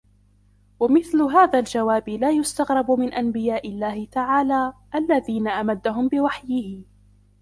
وَمِثْلُ هَذَا الْجَوَابِ لَا يُسْتَغْرَبُ مِنْ أَنْبِيَاءِ اللَّهِ تَعَالَى الَّذِينَ أَمَدَّهُمْ بِوَحْيِهِ